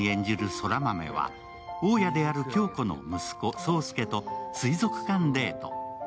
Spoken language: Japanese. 空豆は大家である響子の息子爽介と水族館デート。